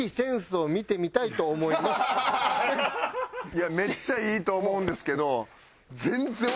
いやめっちゃいいと思うんですけど。